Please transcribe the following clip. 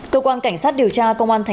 cơ quan cảnh sát điều tra công an tp hcm